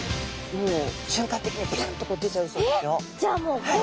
もう瞬間的にビュンとこう出ちゃうそうですよ。